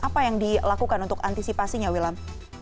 apa yang dilakukan untuk antisipasinya wilam